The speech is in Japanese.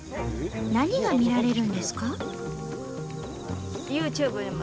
何が見られるんですか？